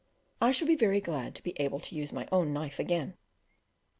I shall be very glad to be able to use my own knife again.